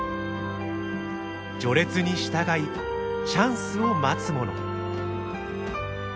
序列に従いチャンスを待つ者。